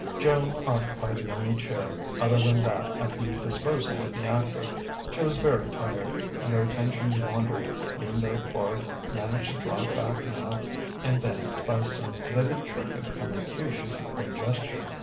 Joan occupied the only chair other than that at the disposal of the actor. She was very tired, and her attention wandered, even though Quard managed to draw it back now and then by some vivid trick of elocution or gesture.